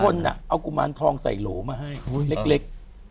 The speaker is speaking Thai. คนเอากุมารทองใส่โหลมาให้เล็ก